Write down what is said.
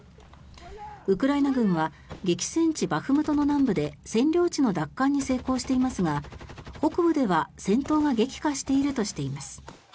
ウクライナ軍は激戦地バフムトの南部で占領地の奪還に成功していますが北部では戦闘が激化しているとしています。